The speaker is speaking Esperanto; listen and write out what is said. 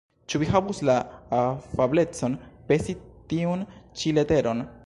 Ĉu vi havus la afablecon pesi tiun ĉi leteron?